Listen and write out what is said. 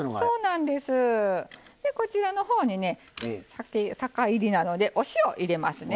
こちらのほうに酒いりなのでお塩を入れますね。